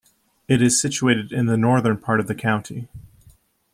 It is situated in the northern part of the county.